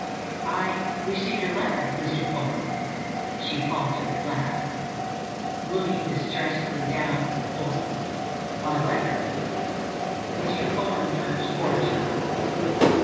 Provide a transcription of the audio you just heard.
"I—received your letter, Mr. Thorne," she faltered at last, looking distressfully down at the floor. "My letter!" Mr. Thorne turned towards her.